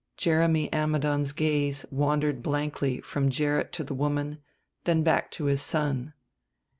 Jeremy Ammidon's gaze wandered blankly from Gerrit to the woman, then back to his son.